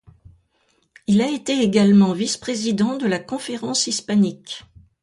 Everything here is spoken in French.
Il a été également vice-président de la Conférence hispanique.